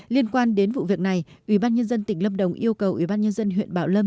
liên quan đến vụ việc này ủy ban nhân dân tỉnh lâm đồng yêu cầu ủy ban nhân dân huyện bảo lâm